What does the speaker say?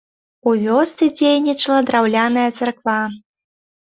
У вёсцы дзейнічала драўляная царква.